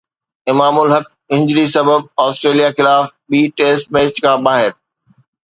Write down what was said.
امام الحق انجری سبب آسٽريليا خلاف ٻي ٽيسٽ ميچ کان ٻاهر